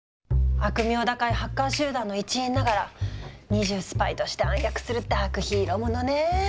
悪名高いハッカー集団の一員ながら二重スパイとして暗躍するダークヒーローものねぇ。